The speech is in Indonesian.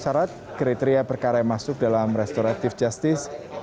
syarat kriteria perkara yang masuk dalam restoratif justice